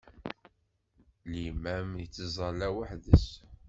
Limam ittẓalla weḥd-s.